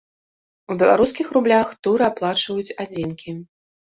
У беларускіх рублях туры аплачваюць адзінкі.